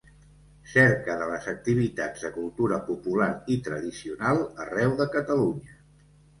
Cerca de les activitats de cultura popular i tradicional arreu de Catalunya.